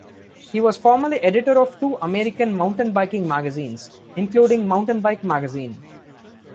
He was formerly editor of two American mountain biking magazines, including "Mountain Bike Magazine".